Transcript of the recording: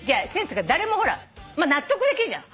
誰もほら納得できるじゃん。